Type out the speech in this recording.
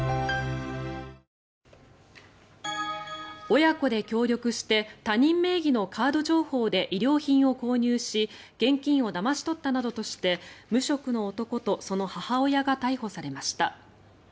親子で協力して他人名義のカード情報で衣料品を購入し現金をだまし取ったなどとして無職の男とその母親が逮捕されました。